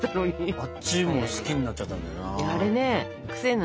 あっちも好きになっちゃったんだよな。